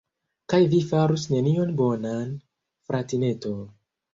Kaj vi farus nenion bonan, fratineto.